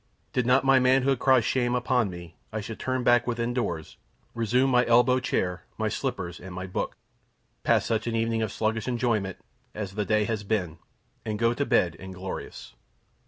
Did not my manhood cry shame upon me, I should turn back within doors, resume my elbow chair, my slippers, and my book, pass such an evening of sluggish enjoyment as the day has been, and go to bed inglorious.